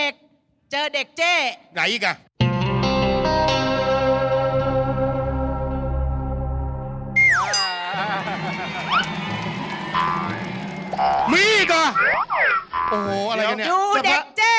โอ้โหอะไรกันเนี่ยแสบละดูเด็กเจ๊